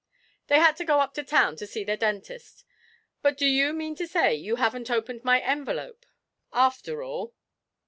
'They had to go up to town to see their dentist. But do you mean to say you haven't opened my envelope after all?'